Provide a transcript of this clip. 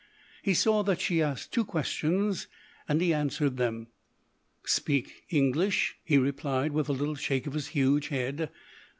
He saw that she asked two questions, and he answered them. "Speak English?" he replied, with a little shake of his huge head.